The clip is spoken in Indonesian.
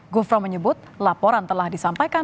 gufro menyebut laporan telah disampaikan